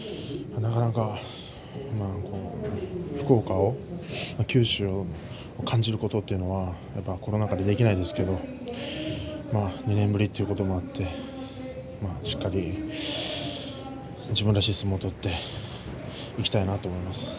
なかなか福岡を九州を感じることというのはコロナ禍でできないですけれど２年ぶりということもあってしっかり自分らしい相撲を取っていきたいなと思います。